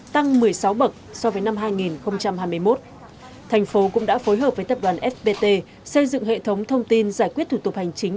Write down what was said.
thành phố cũng đã phối hợp với tập đoàn fpt xây dựng hệ thống thông tin giải quyết thủ tục hành chính